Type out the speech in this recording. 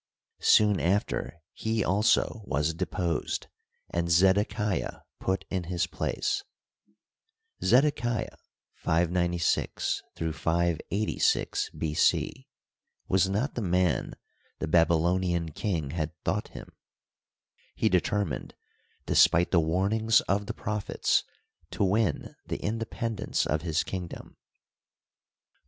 Soon after he also was deposed, and Zedekiah put in his place. Zedekiah (596 586 B. c.) was not the man the Babylonian king had thought him. He determined, despite the warnings of the prophets, to win the independence of his kingdom.